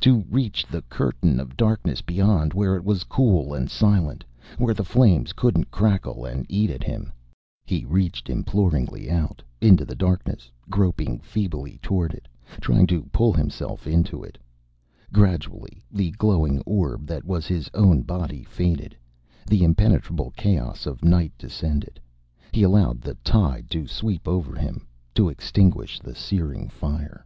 To reach the curtain of darkness beyond, where it was cool and silent, where the flames couldn't crackle and eat at him. He reached imploringly out, into the darkness, groping feebly toward it, trying to pull himself into it. Gradually, the glowing orb that was his own body faded. The impenetrable chaos of night descended. He allowed the tide to sweep over him, to extinguish the searing fire.